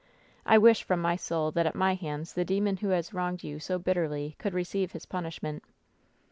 I wish from my soul that at my hands the demon who has wronged you so bitterly could receive his pun ishment."